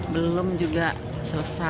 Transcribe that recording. belum juga selesai